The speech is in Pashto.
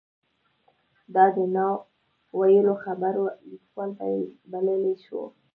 دای د نا ویلو خبرو لیکوال بللی شو.